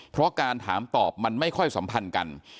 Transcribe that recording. เพราะการถามตอบมันไม่ค่อยสัมพันธ์กัน